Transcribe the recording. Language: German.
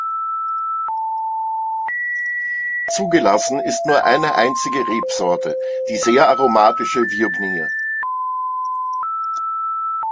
Zugelassen ist nur eine einzige Rebsorte: die sehr aromatische Viognier.